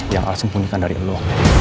yang alas sembunyikan dari lo